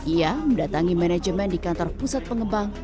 ia mendatangi manajemen di kantor pusat pengembang